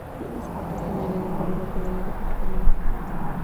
Tuvo su cuartel general en el barrio madrileño de Cuatro Caminos.